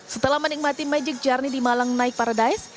setelah menikmati magic journey di malang nike paradise